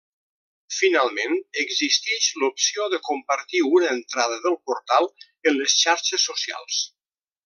Finalment, existix l'opció de compartir una entrada del portal en les xarxes socials.